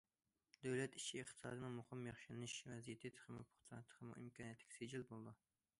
دۆلەت ئىچى ئىقتىسادىنىڭ مۇقىم ياخشىلىنىش ۋەزىيىتى تېخىمۇ پۇختا، تېخىمۇ ئىمكانىيەتلىك سىجىل بولىدۇ.